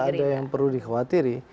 ada yang perlu dikhawatiri